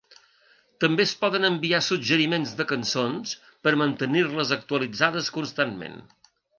També es poden enviar suggeriments de cançons per a mantenir-les actualitzades constantment.